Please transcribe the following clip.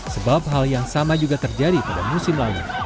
sebab hal yang sama juga terjadi pada musim lalu